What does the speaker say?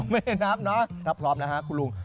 แม่นับเนอะถ้าพร้อมนะฮะคุณลุง